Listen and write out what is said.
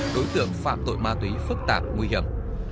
đối tượng phạm tội ma túy phức tạp nguy hiểm